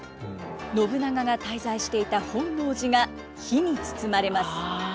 信長が滞在していた本能寺が火に包まれます。